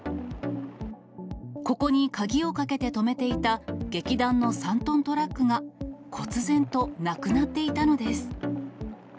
ここに鍵をかけて止めていた劇団の３トントラックが、こつ然となくなっていたのです。